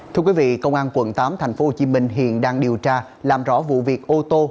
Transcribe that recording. thưa quý vị công an quận tám tp hcm hiện đang điều tra làm rõ vụ việc ô tô